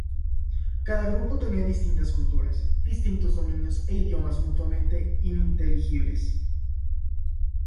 Cada grupo tenía distintas culturas, distintos dominios e idiomas mutuamente ininteligibles.